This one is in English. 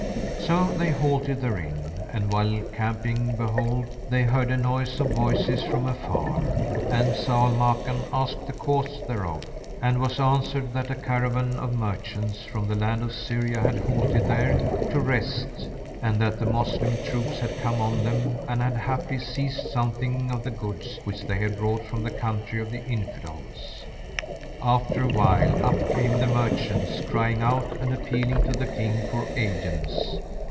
So they halted therein and while camping behold, they heard a noise of voices from afar, and Zau al Makan asked the cause thereof, and was answered that a caravan of merchants from the Land of Syria had halted there to rest and that the Moslem troops had come on them; and had haply seized something of the goods which they had brought from the country of the Infidels. After a while up came the merchants, crying out and appealing to the King for aidance.